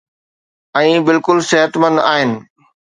۽ بلڪل صحتمند آهن.